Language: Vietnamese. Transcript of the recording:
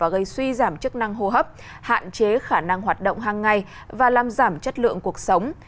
gây suy giảm chức năng hô hấp hạn chế khả năng hoạt động hàng ngày và làm giảm chất lượng cuộc sống